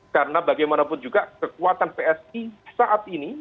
karena bagaimanapun juga kekuatan psi saat ini